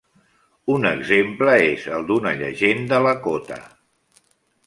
Un exemple és el d'una llegenda Lakota.